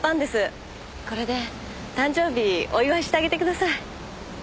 これで誕生日お祝いしてあげてください。